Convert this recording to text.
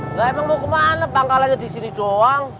enggak emang mau ke mana pangkalanya di sini doang